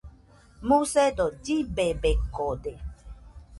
Musedo llibebekode